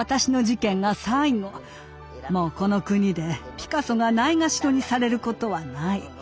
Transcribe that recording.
もうこの国でピカソがないがしろにされることはない。